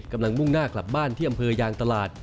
มุ่งหน้ากลับบ้านที่อำเภอยางตลาด